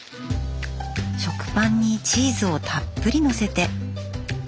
食パンにチーズをたっぷり載せて。